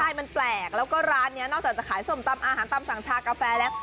ใช่มันแปลกแล้วก็ร้านนี้นอกจากจะขายส้มตำอาหารตำสั่งชากาแฟแล้ว